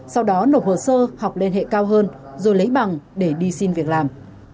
sau đó nộp hồ sơ học liên hệ cao hơn rồi lấy bằng để đi xin việc làm